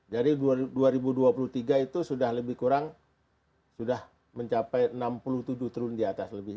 jadi dua ribu dua puluh tiga itu sudah lebih kurang sudah mencapai enam puluh tujuh triliun di atas lebih